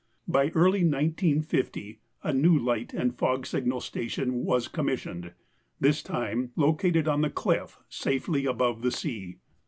By early 1950, a new light and fog signal station was commissioned, this time located on the cliff safely above the sea.